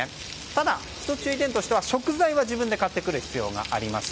ただ、１つ注意点としては食材は自分で買ってくる必要があります。